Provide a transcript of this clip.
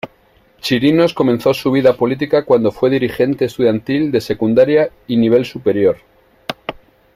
Chirinos comenzó su vida política cuando fue dirigente estudiantil de secundaria y nivel superior.